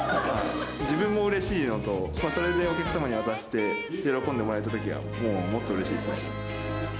自分もうれしいのと、それでお客様に渡して喜んでもらえたときは、もっとうれしいですね。